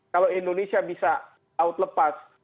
kalau indonesia bisa laut lepas